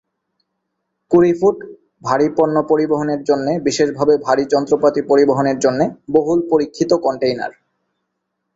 কুড়ি-ফুট, ভারী পণ্য পরিবহনের জন্যে বিশেষভাবে ভারী যন্ত্রপাতি পরিবহনের জন্যে "বহুল পরীক্ষিত" কন্টেইনার।